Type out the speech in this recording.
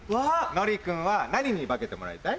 のり君は何に化けてもらいたい？